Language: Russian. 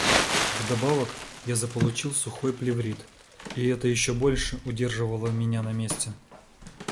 Вдобавок я заполучил сухой плеврит, и это ещё больше удерживало меня на месте.